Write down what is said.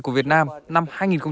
của việt nam năm hai nghìn hai mươi bốn